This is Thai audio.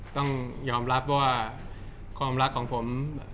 ต้องยอมรับว่าความรักของผม